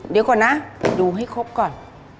เดี๋ยวก่อนนะดูให้ครบก่อน